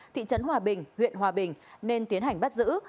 thị trấn hòa bình huyện hòa bình nên tiến hành bắt giữ